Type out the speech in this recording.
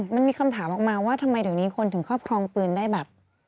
มันมีคำถามออกมาว่าทำไมทีนี้คนถึงเข้าพร้อมปืนได้แบบ